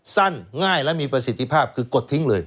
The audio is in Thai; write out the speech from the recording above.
สั้นง่ายและมีประสิทธิภาพคือกดทิ้งเลย